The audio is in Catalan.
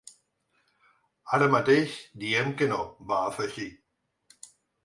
Ara mateix diem que no, va afegir.